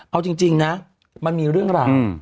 เอาจริงนะมันมีเรื่องราว